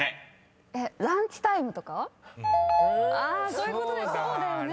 そういうことそうだよね。